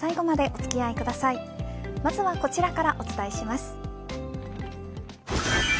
まずはこちらからお伝えします。